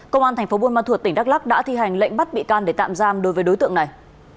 công an tp ban thuật tỉnh đắk lắc đã thi hành lệnh bắt bị can để tạm giam đối với đối tượng này